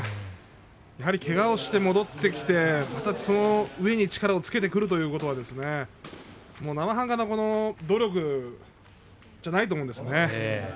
やはり稽古をして戻ってきてけがをして、その上に力をつけてくるということはなまはんかな努力じゃないと思うんですね。